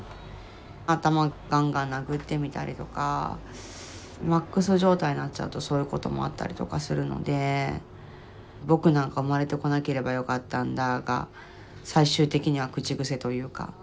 頭ガンガン殴ってみたりとかマックス状態になっちゃうとそういうこともあったりとかするので「僕なんか生まれてこなければよかったんだ」が最終的には口癖というか。